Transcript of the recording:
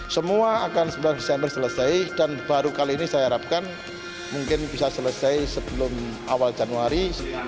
semua akan sembilan desember selesai dan baru kali ini saya harapkan mungkin bisa selesai sebelum awal januari